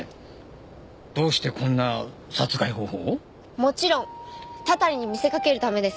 もちろんたたりに見せかけるためです。